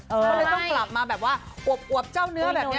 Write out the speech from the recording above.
ก็เลยต้องกลับมาแบบว่าอวบเจ้าเนื้อแบบนี้